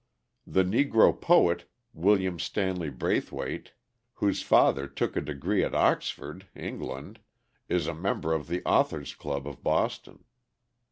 The Negro poet, William Stanley Braithwaite, whose father took a degree at Oxford (England), is a member of the Authors' Club of Boston.